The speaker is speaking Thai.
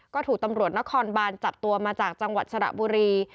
ก็ถูกตำรวจนครบานจับตัวมาจากจังหวัดสระบุรี